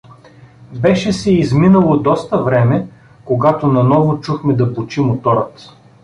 Беше се изминало доста време, когато наново чухме да бучи моторът.